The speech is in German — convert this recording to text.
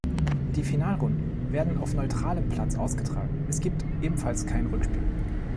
Die Finalrunden werden auf neutralem Platz ausgetragen, es gibt ebenfalls kein Rückspiel.